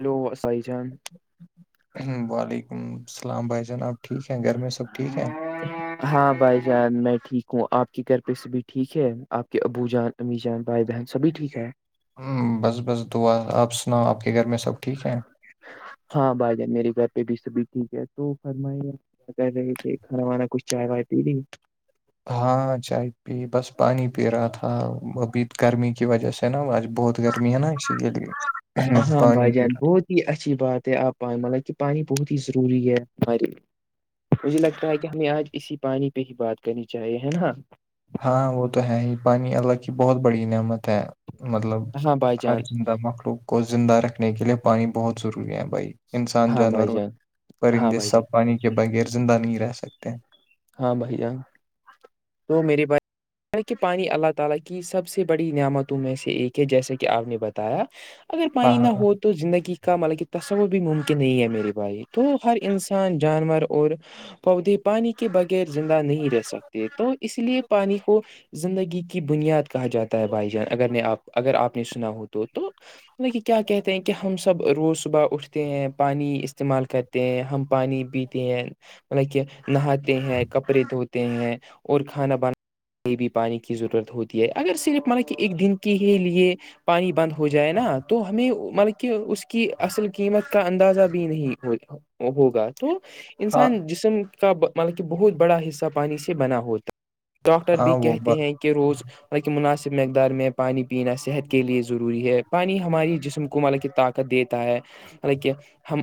Hello Sai جان وعلیکم السلام بھائی جان آب ٹھیک ہیں گھر میں سب ٹھیک ہے ہاں بھائی جان میں ٹھیک ہوں آپ کے گھر پہ سے بھی ٹھیک ہے آپ کے ابو جان امی جان بھائی بہن سبھی ٹھیک ہے ہ بس بس دعا آپ سناؤ آپ کے گھر میں سب ٹھیک ہیں ہاں بھائی جان میرے گھر پہ بھی سبھی ٹھیک ہے تو فرمائیے گ کہ رہے تھھی کھانا وانا کچھ چائے وات ت نہیں ہاں چائے پی بس پانی پی رہا تھا وہبھی گرمی کی وجہ سے نا آج بہت گرمی ہے نا یل پانی پیر یہ اچھی بات ہے آپ پانی مطلب کہ پانی بہت ہی ضروری ہے ہمارے لیے مجھے لگتا ہے کہ ہمیں آج اسی پانی پہ ہی بات کرنی چاہیے ہے نا ہاں وہ تو ہے ہی پانی اللہ کی بہت بڑی نعمت ہے مطلب ہاں بھائی ہر جان زندہ مخلوق کو زندہ رکھنے کے لیئے پانی بہت ضروری ہے بھائی انسان ہاں بھائی جانور جان ہاں پرندے بھائی سا جان پانی کے بغیر زندہ نہیں رہ سکتے ہاں بھائی جان تو میری بس [inaudible] اگر ہاں پانی نہ ہاں ہو تو زندگی کا مطا کہ تصور بھی ممکن نہیں ہے میرے بھائی تو ہر انسان جانور اور پودے پانی کے بغیر زندہ نہیں رہ سکتے تو اس لیے پانی کو زندگی کی بنیاد کہا جاتا ہے بھائی جان اگر نے آپ اگر آپ نے سنا ہو تو تو مطل کہ کیا کہتے ہیں کہ ہم سب روز صبح اٹھتے ہیں پانی استعمال کر ہیں ہم پانی پیتے ہیں مطلب کہ نہا ہیں کپڑے دھوتے ہیں اور کھانا بناانا یہ بھی پانی کی ضرورت ہوتی ہے اگر صرف ملب کہ ایک دن کے ہی لیے پانی بند ہو جائے نا تو ہمیں مطلب کہ اس کی اصل قیمت کا اندازہ بھی نہیں ہو ہوگا تو ہاں انسان جسم کا مطلب کہ بہت بڑا حصہ پانی سے بنا ہوتا ڈاکٹر بھی ہاں وہ کہتے ہیں کہ روز حالکہ مناسب مقدار میں پانی پینا صحت کے لیے ضروری ہے پانی ہماری جسم کو مال کی طاقت کا دیتا ہے مط کہ ہم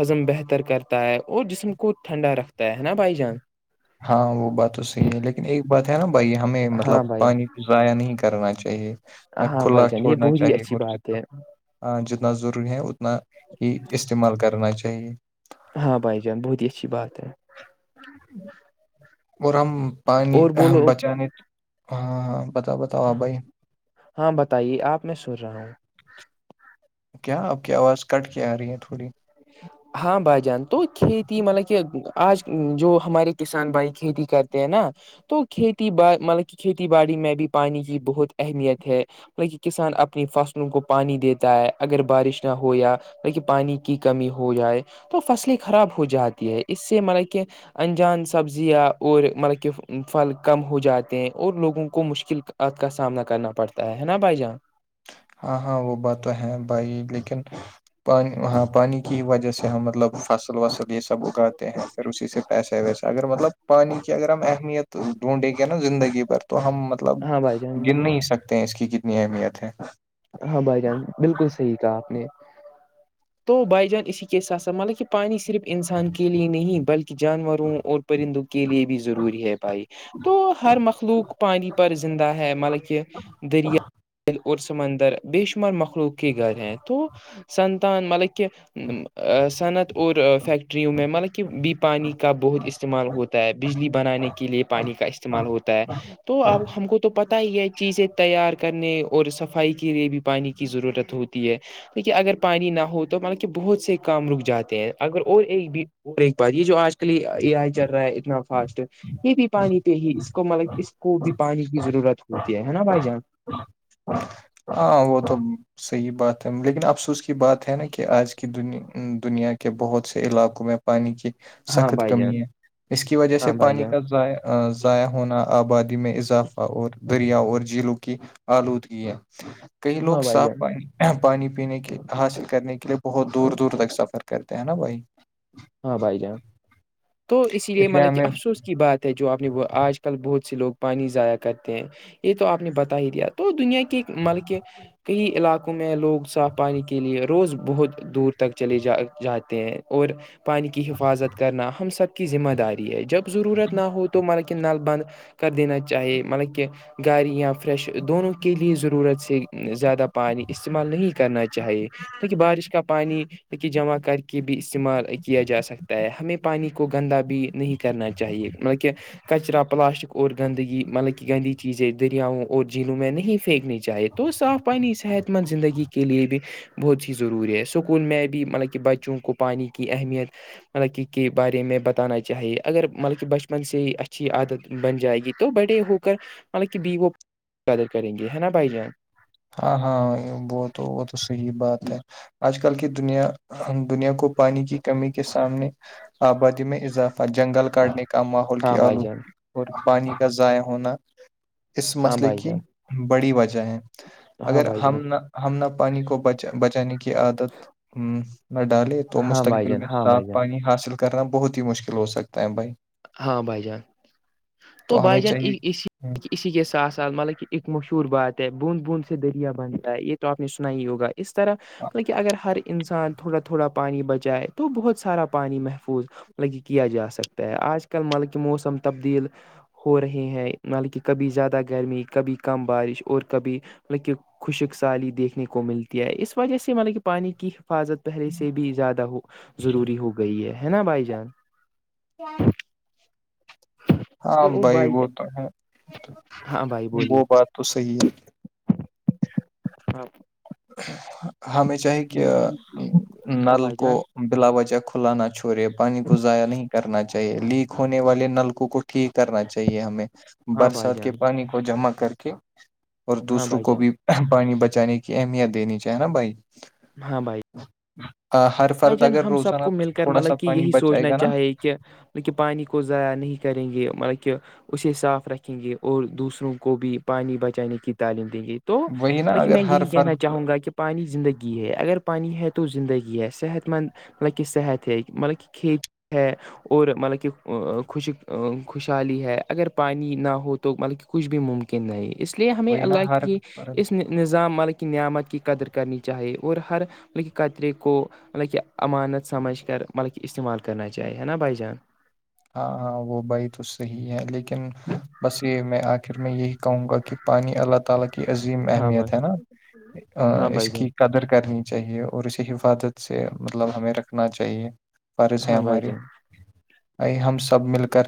ہضم بہتر کرتا ہے اور جسم کو ٹھنڈا رکھتا تو ہے نا بھائی جان ہاں وہ بات تو صحیح ہے لیکن ایک بات ہے نا بھائی ہمیں مطلب ہاں بھائی پانی ضائع نہیں کرنا چاہیے نہ ہاں بھائی کلا جان یہ چھوڑنا بہت ہی چاہیے اچھی اور بات جنا ہے ہ جتنا ضروری ہے اتنا ہی استعمال کرنا چاہیے ہاں بھائی جان بہت ہی اچھی بات ہے اور ہم پانی اور بولو بچانے ہاں ہاں بتاؤ بتاؤ آ بھائی ہاں بتائیے آپ میں سن رہا ہوں کیا آپ کی آواز کٹ کے آ رہی ہے تھوڑی ہاں بھائی جان تو کھیتی مطلب کہ آج جو ہمارے کسان بھائی کھیتی کرتے ہیں نا تو کھیتی با مطلب کہ کھیتی باڑی میں بھی پانی کی بہت اہمیت ہے لک کسان اپنی فصلوں کو پانی دیتا ہے اگر بارش نہ ہو یا ل پانی کی کمی ہو جائے تو فصلیں خراب ہو جاتی ہے اس سے مطل کہ انجان سبزیاں اور مطلب کہ پھل کم ہو جاتے ہیں اور لوگوں کو مشکل عت کا سامنا کرنا پڑتا ہے نا بھائی جان ہاں ہاں وہ بات تو ہے بھائی لیکن پانی ہاں پانی کی وجہ سے ہم مطلب فصل وصل یہ سب اگاتے ہیں پھر اسی سے پیسہ ویسہ اگر مطلب پانی کی اگر ہم اہمیت تو ڈھونڈے گا نا زندگی پر تو ہم مطلب ہاں بھائی جان گن نہیں سکتے ہیں اس کی کتنی اہمیت ہے ہاں بائی چانس بالکل صحیح کہا آپ نے تو بائی جان اسی کےس ساتھ س مطب کہ پانی صرف انسان کے لیے نہیں بلکہ جانوروں اور پرندوں کے لیے بھی ضروری ہے بھائی تو ہر مخلوق پانی پر زندہ ہے مطلب کہ دریا اور سمندر بے شمار مخلوق کے گھر ہیں تو سنتان مطلب کہ صنعت اور فیکٹریوں میں مطلب کہ بی پانی کا بہت استعمال ہوتا بجلی بنانے کے لیے پانی کا استعمال ہوتا ہے تو اب ہم کو تو پتا پتا ہی ہے چیزیں تیار کرنے اور صفائی کے لیے بھی پانی کی ضرورت ہوتی ہے توہ اگر پانی نہ ہو تو مطلب کہ بہت سے کام رک جاتے ہیں اگر اور ایک بھی اور ایک بات یہ جو آجل لی آ چل رہا ہے اتنا فاسٹ یہ بھی پانی پہ ہی کو مطلب اس کو بھی پانی کی ضرورت ہوتی ہے نا بھائی جان ہاں وہ تو صحیح بات ہے لیکن افسوس کی بات ہے نا کہ آج کی د دنیا کے بہت سے علاقوں میں پانی کی ہاں سخت بھائی جان کمی ہے اس کی وجہ سے ہاں بھائی پانی جان کا ائ ضائع ہونا آبادی میں اضافہ اور دریا اور جھیلوں کی آلودگی ہے کئی لوگ ہاں بھائی صاف جان پانی پانی پینے کے حاصل کرنے کے لیے بہت دور دور تک سفر کرتے ہیں نا بھائی ہاں بھائی جان تو اسی لیے اس مل کی ہمیں افسوس کی بات ہے جو آنے آج کل بہت سے لوگ پانی ضائع کرتے ہیں یہ تو آپ نے بتا ہی دیا تو دنیا کے مل کے کئی علاقوں میں لوگ صاف پانی کے لیے روز بہت دور تک چلے جا جاتے ہیں اور پانی کی حفاظت کرنا ہم سب کی ذمہ داری ہے جب ضرورت نہ ہو تو مطلب کہ نل بند کر دینا چاہیے مطلب کہ گاری یا فریش دونوں کے لیے ضرورت سے زیادہ پانی استعمال نہیں کرنا چاہیے تہ بارش کا پانی جمع کر کے بھی استعمال کیا جا سکتا ہے ہمیں پانی کو گندا بھی نہیں کرنا چاہیے بلکہ کچرا پلاسٹک اور گندگی مطلب کہ گندی چیزیں دریاؤں اور جھیلوں میں نہیں پھینکنی چاہے تو صاف پہنی صحت مند زندگی کے لیے بھی بہت سی ضروری ہے سکول میں بھی مطلب کہ بچوں کو پانی کی اہمیت مطلب کی کے بارے میں بتانا چاہیے اگر مطلب کہ بچپن سے ہی اچھی عادت بن جائے گی تو بڑے ہو کر مطلب کہ بی وہ قدر کریں گے ہے نا بھائی جان ہاں ہاں وہ تو وہ تو صحی بات ہے آج کل کی دنیا دنیا کو پانی کی کمی کے سامنے آبادی میں اضافہ جنگل کاٹنے کے کا ماحول کی ہاں بھائی جان آلودگی اور پانی کا ضائع ہونا اس ہاں مسئلے بھائی کی جان بڑی وجہ ہے ہاں اگر بھائی جان ہم ہم نہ پانی کو بچ بچانے کی عادت نہ ڈالے تو ہاں بھائی مستقبل جان میں ہاں صاف بھائی جان پانی حاصل کرنا بہت ہی مشکل ہو سکتا ہے بھائی ہاں بھائی جان تو ہمیں بھائی جان چاہیے اسی ہوں، اسی کے ساتھ ساتھ مطلب کہ ایک مشہور بات ہے بوند بوند سے دریا بنتا ہے یہ تو آپ نے سنا ہی ہوگا اس طرح مطلب کہ اگر ہر انسان تھوڑا تھوڑا پانی بچائے تو بہت سارا پانی محفوظ کیا جا سکتا ہے آج کللملکہ موسم تبدیل ہو رہے ہیں مے کہ کبھی زیادہ گرمی کبھی کم بارش اور کبھی مطلب کہ خشک سالی دیکھنے کو ملتی ہے اس وجہ سے مطلب کہ پانی کی حفاظت پہلے سے بھی زیادہ ہو ضروری ہو گئی ہے نا بھائی جان سن ہاں بھائی وہ تو ہے ہاں بھائی وہ بولیے بات تو صحیح ہے ہاں ہمیں چاہے کہ ہاں نل بھائی کو جان بلا وچہ کھلا نہ چھڑے پانی گزایا نہیں کرنا چاہیے لیک ہونے والے نلکوں کو ٹھیک کرنا چاہیے ہمیں ہاں بھائی برسات کے جان پانی کو جمع کر کے اور ہاں دوسروں بھائی کو جان بھی پانی بچانے کی کہ اہمیت دینی چاہیے نا بھائی ہاں بھائی ہر بھائی فرد جان اگر ہم سب روزانا کو تو مل کر تھوڑا سا مطلب کہ پانی یہی بچائے سوچنا گا نا چاہیے کہ مط کہ پانی کو ضائع نہیں کریں گے مطلب کہ اسے صاف رکھیں گے اور دوسروں کو بھی پانی بچانے کی تعلیم دیں گے تو وہی نا لیکن اگر میں ہر یہی کہنا فرد چاہوں گا کہ پانی زندگی ہے اگر پانی ہ تو زندگی صحت مند نہ کہ کہ صحت مطلب کہ کھیت ہے اور مطلب کہ خوش خوشحالی ہے اگر پانی نہ ہو تو مطلب کہ کچھ بھی ممکن نہیں اس لیے ہمیں وہی اللہ نا کی ہر اس نظام ملک کی نعمت کی قدر کرنی چاہیے اور ہر م قطرے کو مطلب کہ امانت سمجھ کر مطلب کہ استعمال کرنا چاہی ہے نا بائی جان ہاں ہاں وہ بھائی تو صحی ہے لیکن بس یہ میں آخر میں یہی [inaudible] ہاں بھائی ہاں اس بھائی جان کی قدر کرنی چاہیے اور اسی حفاظت سے مطلب ہمیں رکھنا چاہیے فارض ہے ہاں بھائی ہمارے جان ہم سب مل کر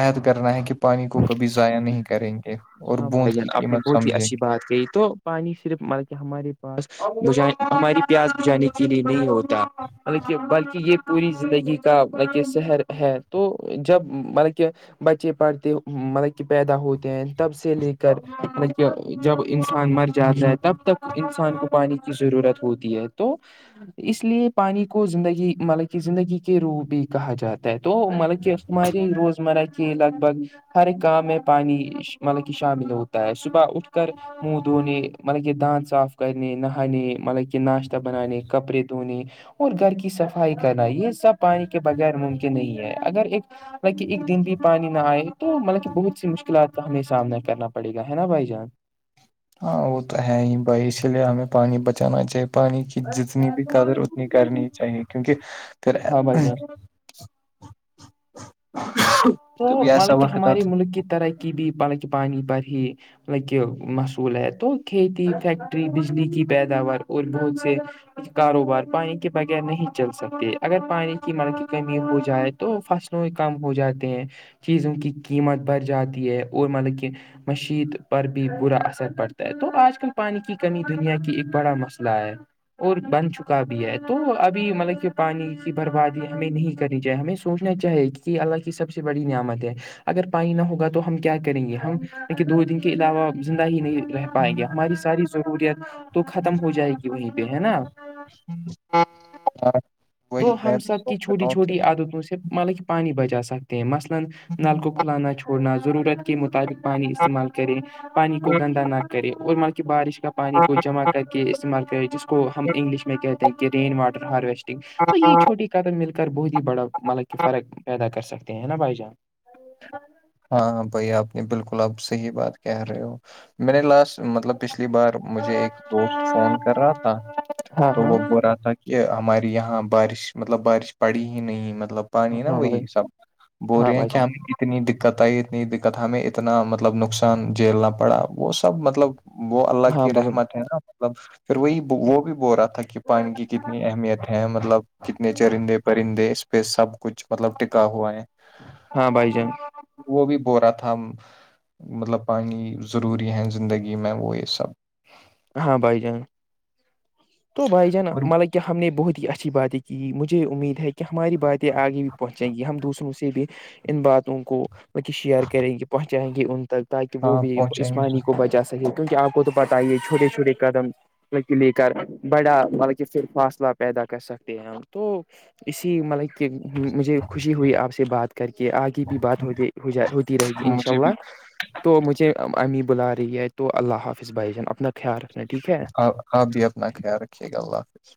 عد کرنا ہے کہ پانی کو کبھی ضائع نہیں کریں گے اور ہاں بوند بھائی جان کی آپ نے قیمت بہت ہی سمجھیں گے اچھی بات کہ تو پانی صرف بلکہ ہمارے پاس بج ہمارے پیاس بجانے کے لیے نہیں ہوتا مطلب کہ بلکہ یہ پوری زندگی کاطب کہ سہر ہے تو جب مطلب کہ بچے پڑھ مطلب کہ پیدا ہوتے ہیں تب سے لے کر مطلب کہ جب انسان مر جاتا ہے تب تک انسان کو پانی کی ضرورت ہوتی ہے تو اس لیے پانی کو زندگی مطلب کہ زندگی کے روح بھی کہا جاتا ہے تو مطلب کہ ہمارے روزمرہ کی لگ بھگ ہر ایک کام میں پانی مطلب کہ شامل ہوتا ہے صبح اٹھ کر منہ دھونے مطلب کہ داند صاف کرنے نہانے مطلب کہ ناشتہ بنانے کپڑے دھونے اور گھر کی صفائی کرنا یہ سب پانی کے بغیر ممکن نہیں ہے اگر ایک کہ ایک دن بھی پانی نہ آئے تو مطلب کہ بہت سی مشکلات کا ہمیں سامنا کرنا پڑے گا ہے نا بھائی جان ہاں وہ تو ہے ہی بھائی اسی لیے ہمیں پانی بچانا چاہی پانی کی جتنی بھی قدر اتنی کرنی چاہیے کیونکہ پھر [inaudible] ہاں بھائی جان تو کبھی ایسا مطلب کہ وقت ہمارے آتا ہے۔ ملک کی ترقی بھی مطلب کہ پانی پر ہی مط کہ مصول ہے تو کھیتی فیکٹری بجلی کی پیداوار اور بہت سے کاروبار پانی کے بغیر نہیں چل سکتے اگر پانی کی مرب کی کمی ہو جائے تو فصلوں کم ہو جاتے ہیں چیزوں کی قیمت بڑھ جاتی ہے اور مطلب کہ مشت پر بھی برا اثر پڑتا ہے تو آج کل پانی کی کمی دنیا کی ایک بڑا مسئلہ ہے اور بن چکا بھی ہے تو ابھی مطلب کہ پانی کی بربادی ہمیں نہیں کرنی چائے ہمیں سوچنا چاہے کہ اللہ کی سب سے بڑی نعمت ہے اگر پانی نہ ہوگا تو ہم کیا کریں گے ہم دو دن کے علاوہ زندہ ہی نہیں رہ پائیں گے ہماری ساری ضروریت تو ختم ہو جائے گی وہیں پہ ہے نا [inaudible] تو میں ہم بھی سب کی سوچ چھوٹی رہا ہوں کہ چھوٹی عادتوں سے مطلا کے پانی بچا سک مثلن کو کھلانا چھوڑنا ضرورت کے مطابق پانی استعمال کریں پانی کو گندا نہ کرے اور ملکہ بارش کا پانی کو جم کر کے استعمال کیا جس کو ہم انگلش میں کہتے ہیں کہ رین واٹر ہارویسٹنگ تو یہ چھوٹی قدم مل کر بہت ہی بڑا مطلب کہ فرق پیدا کر سکتے ہیں نا بھائی جان ہاںاں بھائی آپ نے بالکل آپ صحیح بات کہہ رہے ہو میں نے لاسٹ مطلب پچھلی بار مجھے ایک دوست فون کر رہا تھا ہاں تو وہ ہاں بول رہا تھا کہ ہمارے یہاں بارش مطلب بارش پڑی ہی نہیں مطلب مطلب پانی نا ہاں بھائی وہی سب بول ہاں رہے ہیں بھائی کہ جان ہم اتنی دقت آئی اتنی دقت ہمیں اتنا مطلب نقصان جیلنا پڑا وہ سب مطلب وہ اللہ ہاں کی بھائی رحمت ہے نا مطلب پھر وہی وہ بھی بول رہا تھا کہ پانی کی کتنی اہمیت ہے مطلب جتنے چرندے پرندے اس پہ سب کچھ مطلب ٹکا ہوا ہے ہاں بھائی جان وہ بھی ب رہا تھا مطلب پانی ضروری ہے زندگی میں وہ یہ سب ہاں بھائی جان تو بھائی جان اور مطلب کیا ہم نے بہت ہی اچھی باتیں کی مجھے امید ہے کہ کہ ہماری باتیں آگے بھی پہنچیں گی ہم دوسروں سے بھی ان باتوں کو وہ کہ شیئر کریں گی پہنچائیں گے ان تک تاکہ وہ ہاں بھی پہنچائیں گے اسمانی ضرور. کو بچا سکے کیونکہ آپ کو تو پتا ہی ہے چھوٹے چھوٹے قدم لے کر بڑا مطلب کہ پھر فاصلہ پیدا کر سکتے ہیں ہم تو اسی مطلب کہ مجھے خوشی ہوئی آپ سے بات کر کے آگے بھی بات ہوتے ہو جا ہوتی رہے گی انشاء مجھے اللہ [inaudible] تو مجھے امی بلا رہی ہے تو اللہ حافظ بھائی جان اپنا خیال رکھنا ٹھیک ہے آپ آپ بھی اپنا خیال رکھیے گا اللہ حافظ